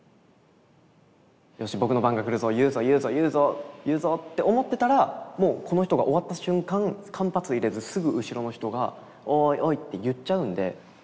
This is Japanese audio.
「よし僕の番が来るぞ言うぞ言うぞ言うぞ言うぞ」って思ってたらもうこの人が終わった瞬間間髪いれずすぐ後ろの人が「おいおい」って言っちゃうんで。